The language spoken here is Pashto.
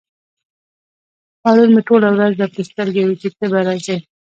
پرون مې ټوله ورځ درته سترګې وې چې ته به راځې.